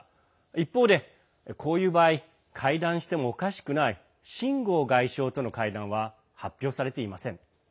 一方で、こういう場合会談してもおかしくない秦剛外相との会談は発表されていません。